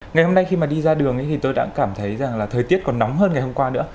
ngày hôm nay khi mà đi ra đường thì tôi đã cảm thấy rằng là thời tiết còn nóng hơn ngày hôm qua nữa